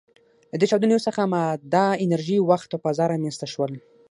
له دې چاودنې څخه ماده، انرژي، وخت او فضا رامنځ ته شول.